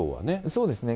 そうですね。